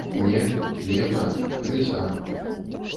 Не, не брат, камісар.